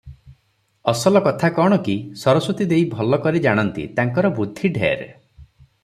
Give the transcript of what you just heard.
ଅସଲ କଥା କଣ କି, ସରସ୍ୱତୀ ଦେଈ ଭଲ କରି ଜାଣନ୍ତି, ତାଙ୍କର ବୁଦ୍ଧି ଢେର ।